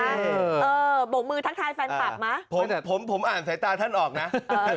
เออเออบ่งมือทั้งทายแฟนคลับมาผมผมผมอ่านสายตาท่านออกน่ะเออ